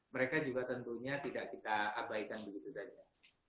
mereka juga tentunya tidak kita abaikan begitu saja